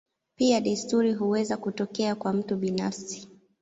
Pia desturi huweza kutokea kwa mtu binafsi.